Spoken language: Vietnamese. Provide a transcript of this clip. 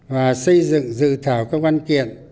và xây dựng dự thảo các văn kiện